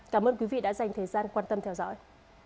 cảm ơn quý vị đã dành thời gian quan tâm theo dõi